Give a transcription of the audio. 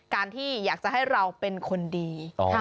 การที่อยากจะให้เราเป็นคนดี